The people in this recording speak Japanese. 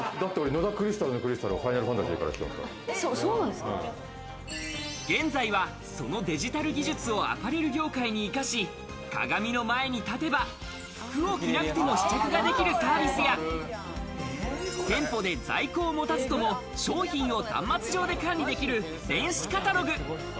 野田クリスタルのクリスタルは、『ファイナルファンタジー』から現在は、そのデジタル技術をアパレル業界に生かし、鏡の前に立てば、服を着なくても試着ができるサービスや、店舗で在庫を持たずとも、商品を端末上で管理できる電子カタログ。